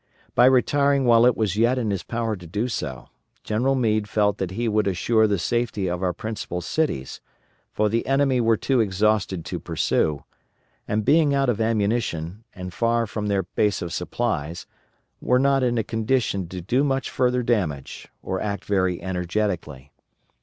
By retiring while it was yet in his power to do so, General Meade felt that he would assure the safety of our principal cities, for the enemy were too exhausted to pursue; and being out of ammunition, and far from their base of supplies, were not in a condition to do much further damage, or act very energetically.